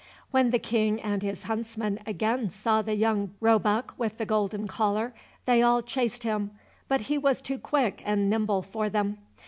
When the King and his huntsmen again saw the young roebuck with the golden collar, they all chased him, but he was too quick and nimble for them.